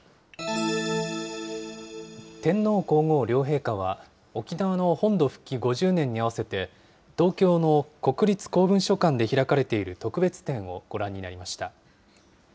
天皇皇后両陛下は、沖縄の本土復帰５０年に合わせて、東京の国立公文書館で開かれている特別展をご覧になりました。